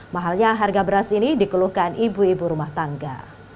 mahalnya harga beras ini dikeluhkan ibu ibu rumah tangga